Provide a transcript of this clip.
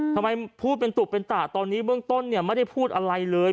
ทำไมพูดเป็นตุเป็นตะตอนนี้เบื้องต้นเนี่ยไม่ได้พูดอะไรเลย